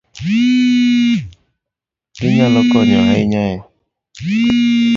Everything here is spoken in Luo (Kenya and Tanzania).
Ginyalo konyo ahinya e